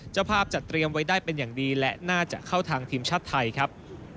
เจ้าภาพจัดเตรียมไว้ได้เป็นอย่างดีและน่าจะเข้าทางทีมชาติไทยครับ